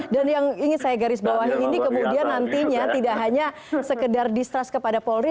dan yang ingin saya garis bawah ini kemudian nantinya tidak hanya sekedar distrust kepada polri